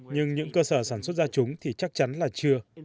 nhưng những cơ sở sản xuất ra chúng thì chắc chắn là chưa